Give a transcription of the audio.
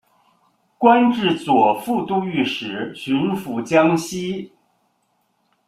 官至左副都御史巡抚江西。